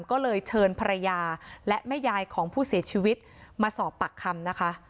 ก็เลยเชิญภรรยาและแม่ยายของผู้เสียชีวิตมาสอบปากคำนะคะ